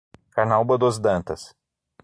Carnaúba dos Dantas